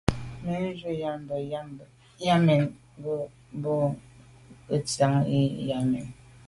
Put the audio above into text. Mɛ̂n nshûn ὰm bə α̂ Yâmɛn Bò kə ntsiaŋ i α̂ Yâmɛn.